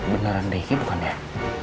beneran riki bukan ya